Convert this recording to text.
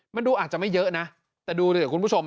มันดูอาจจะไม่เยอะนะแต่ดูดิคุณผู้ชม